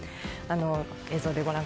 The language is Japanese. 映像です。